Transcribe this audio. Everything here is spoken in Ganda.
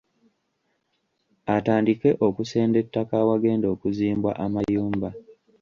Atandike okusenda ettaka awagenda okuzimbwa amayumba.